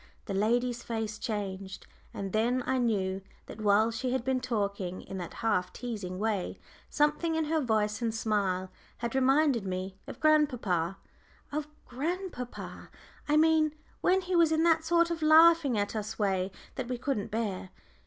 The lady's face changed, and then I knew that while she had been talking in that half teasing way, something in her voice and smile had reminded me of grandpapa of grandpapa, I mean, when he was in that sort of laughing at us way that we couldn't bear.